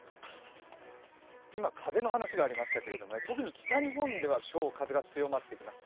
今、風の話がありましたけれども、特に北日本では今日、風が強まってきます。